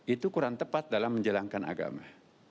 itu kurang tepat dalam menjalankan agama